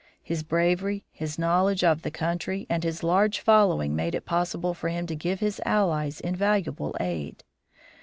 His bravery, his knowledge of the country, and his large following made it possible for him to give his allies invaluable aid.